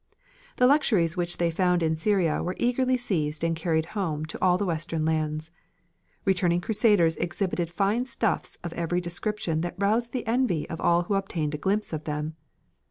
The luxuries which they found in Syria were eagerly seized and carried home to all the western lands. Returning Crusaders exhibited fine stuffs of every description that roused the envy of all who obtained a glimpse of them.